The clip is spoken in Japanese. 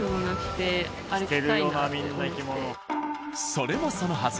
それもそのはず。